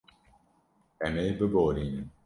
Em ê biborînin.